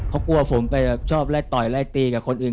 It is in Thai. เพราะกลัวผมไปชอบไล่ต่อยไล่ตีกับคนอื่น